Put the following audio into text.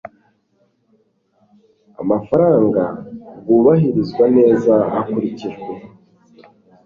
amafaranga bwubahirizwa neza hakurikijwe